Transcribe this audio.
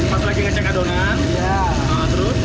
masuk lagi ngecek adonan